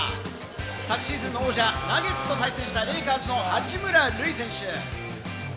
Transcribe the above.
昨シーズンの王者・ナゲッツと対戦したレイカーズの八村塁選手。